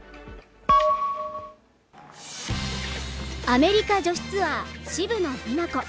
アメリカ女子ツアーは渋野日向子